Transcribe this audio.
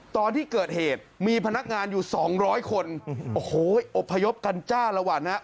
ตอนที่เกิดเหตุมีพนักงานอยู่สองร้อยคนโอ้โหอบพยพกันจ้าละวันฮะ